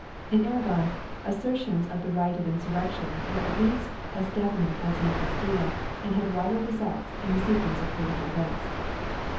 In Aragon, assertions of the right of insurrection were at least as definite as in Castile, and had wider results in the sequence of political events.